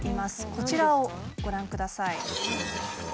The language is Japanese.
こちらをご覧ください。